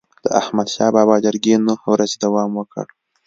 د احمدشاه بابا جرګي نه ورځي دوام وکړ.